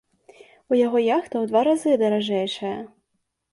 У яго яхта ў два разы даражэйшая.